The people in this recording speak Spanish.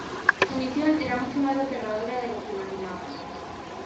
Su misión será mucho más aterradora de lo que imaginaban.